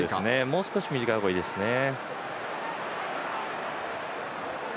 もう少し短い方がいいですね。